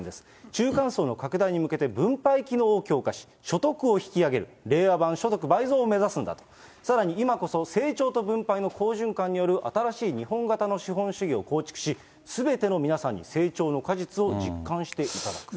中間層の拡大に向けて分配機能を強化し、所得を引き上げる、令和版所得倍増を目指すんだと、さらに、今こそ成長と分配の好循環による新しい日本型の資本主義を構築し、すべての皆さんに成長の果実を実感していただくと。